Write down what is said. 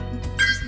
tìm thủ đoạnlist